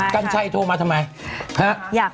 กัญชัยโทรมาทำไม